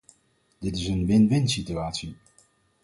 Dit is een win-winsituatie.